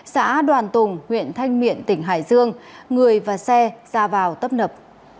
xã đoàn tùng huyện thanh miện tỉnh hải dương người và xe ra vào tấp nập